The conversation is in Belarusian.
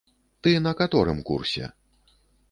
Ты на каторым курсе?